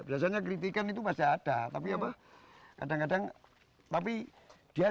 biasanya kritikan itu masih ada tapi apa kadang kadang tapi dia